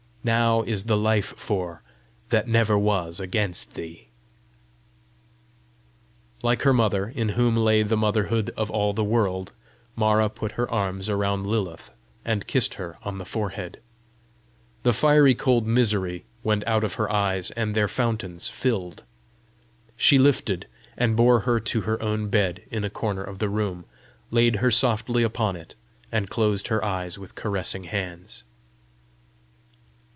Now is the Life for, that never was against thee!" Like her mother, in whom lay the motherhood of all the world, Mara put her arms around Lilith, and kissed her on the forehead. The fiery cold misery went out of her eyes, and their fountains filled. She lifted, and bore her to her own bed in a corner of the room, laid her softly upon it, and closed her eyes with caressing hands.